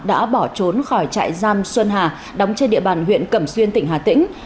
đã bỏ trốn khỏi trại giam xuân hà đóng trên địa bàn huyện cẩm xuyên tỉnh hà tĩnh